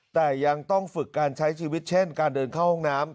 แต่ยังต้องฝึกการใช้ชีวิตเช่นการเดินเข้าห้องน้ำ